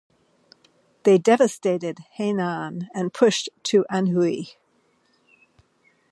They devastated Henan and pushed into Anhui.